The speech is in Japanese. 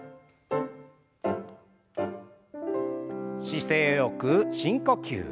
姿勢よく深呼吸。